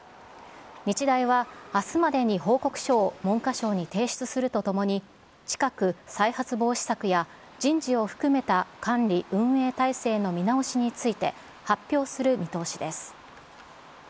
日大は、あすまでに報告書を文科省に提出するとともに、近く、再発防止策や人事を含めた管理運営体制の見直しについて発表する見通しです。